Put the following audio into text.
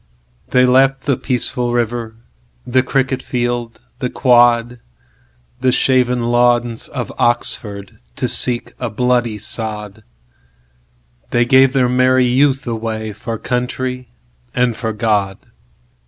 They left the peaceful river, The cricket field, the quad, The shaven lawns of Oxford, To seek a bloody sod—They gave their merry youth awayFor country and for God.